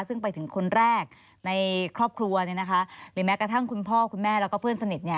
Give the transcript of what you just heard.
ซึ่งไปถึงคนแรกในครอบครัวหรือแม้กระทั่งคุณพ่อคุณแม่แล้วก็เพื่อนสนิท